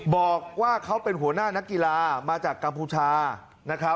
บอกว่าเขาเป็นหัวหน้านักกีฬามาจากกัมพูชานะครับ